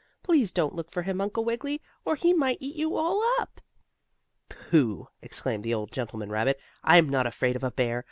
"Please don't look for him, Uncle Wiggily, or he might eat you all up." "Pooh!" exclaimed the old gentleman rabbit. "I'm not afraid of a bear.